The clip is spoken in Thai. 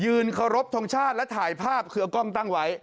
ยืนขอรบทรงชาติและถ่ายภาพคือกล้องตั้งไว้